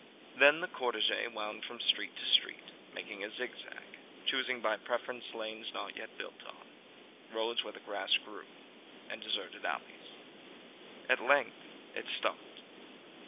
Then the cortège wound from street to street, making a zigzag, choosing by preference lanes not yet built on, roads where the grass grew, and deserted alleys. At length it stopped.